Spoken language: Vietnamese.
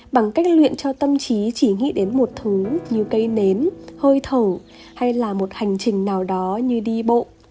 bằng cách luyện cho tâm trí chỉ nghĩ đến một thứ như cây nến hơi thổ hay là một hành trình nào đó như đi bộ